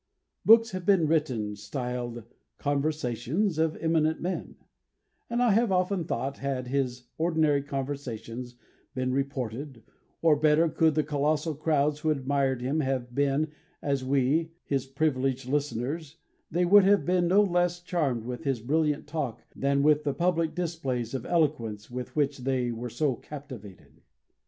Books have been written styled, "Conversations of Eminent Men"; and I have often thought had his ordinary conversations been reported, or, better, could the colossal crowds who admired him have been, as we, his privileged listeners, they would have been no less charmed with his brilliant talk than with the public displays of eloquence with which they were so captivated.